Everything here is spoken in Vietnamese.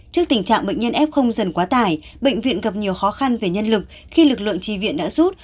trước tình trạng bệnh nhân f dần quá tải bệnh viện gặp nhiều khó khăn về nhân lực khi lực lượng trì viện đã rút